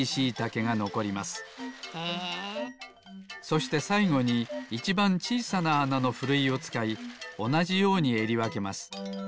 そしてさいごにいちばんちいさなあなのふるいをつかいおなじようにえりわけます。